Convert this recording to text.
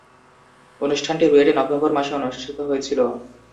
অনুষ্ঠানটি রুয়েটে নভেম্বর মাসে অনুষ্ঠিত হয়েছিলো।